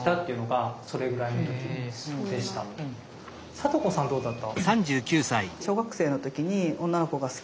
さと子さんどうだった？